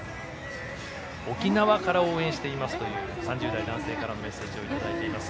沖縄から応援していますという３０代男性からのメッセージをいただいています。